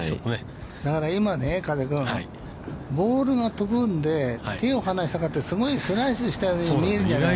だから今ね、加瀬君、ボールが飛ぶんで、手を離して、すごいスライスしたように見えるじゃない。